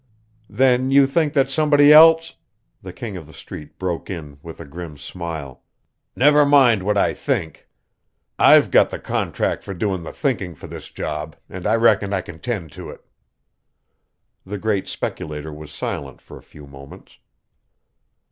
"Then you think that somebody else " The King of the Street broke in with a grim smile. "Never mind what I think. I've got the contract for doing the thinking for this job, and I reckon I can 'tend to it." The great speculator was silent for a few moments.